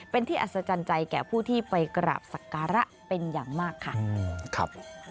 เป็นที่อัศจรรย์ใจแก่ผู้ที่ไปกราบสักการะเป็นอย่างมากค่ะ